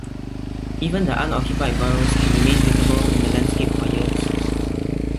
Even the unoccupied burrows can remain visible in the landscape for years.